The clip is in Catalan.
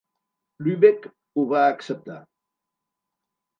Lübeck ho va acceptar.